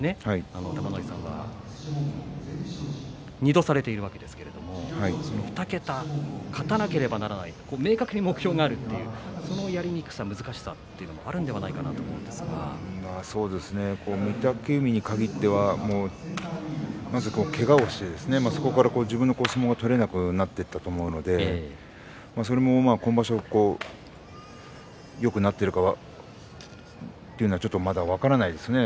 玉ノ井さんは２度されているわけですけれども２桁勝たなければならない明確に目標があるそのやりにくさ、難しさというのもあるのではないかなとそうですね御嶽海に限ってはまずけがをして、そこから自分の相撲が取れなくなっていったと思うのでそれも今場所よくなっているかはちょっとまだ分からないですね。